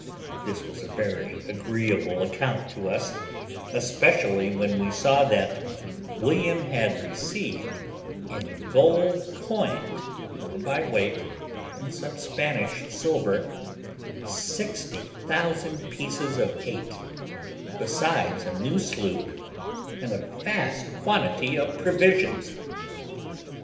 This was a very agreeable account to us, especially when we saw that William had received in gold coined, or by weight, and some Spanish silver, 60,000 pieces of eight, besides a new sloop, and a vast quantity of provisions.